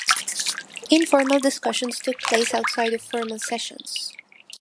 Informal discussions took place outside of formal sessions.